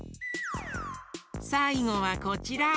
さいごはこちら。